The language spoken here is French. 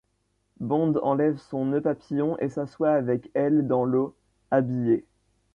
Bond enlève son nœud papillon et s'assoit avec elle dans l'eau, habillé.